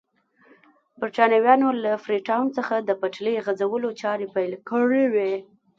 برېټانویانو له فري ټاون څخه د پټلۍ غځولو چارې پیل کړې وې.